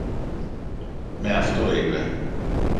Με αυτό, είπε.